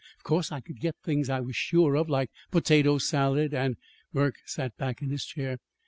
Of course I could get things I was sure of, like potato salad and " Burke sat back in his chair.